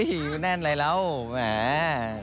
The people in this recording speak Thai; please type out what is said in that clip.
เฮ้ยแน่นอะไรแล้วแหม